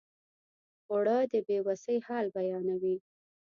اوړه د بې وسۍ حال بیانوي